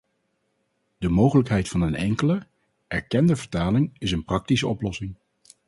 De mogelijkheid van een enkele, erkende vertaling is een praktische oplossing.